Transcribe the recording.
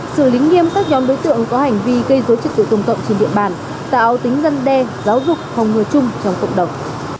xử lý nghiêm các nhóm đối tượng có hành vi gây dối trật tự công cộng trên địa bàn tạo tính dân đe giáo dục phòng ngừa chung trong cộng đồng